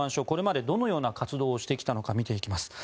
これまでどのような活動をしてきたのか見ていきます。